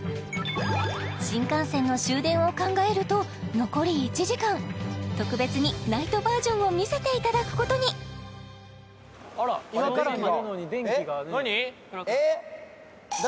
新幹線の終電を考えると残り１時間特別にナイトバージョンを見せていただくことに・えっ何？